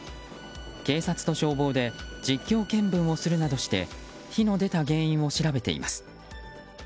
警察と消防で実況見分をするなどして火の出た原因を調べています。